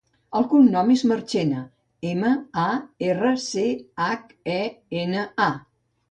El cognom és Marchena: ema, a, erra, ce, hac, e, ena, a.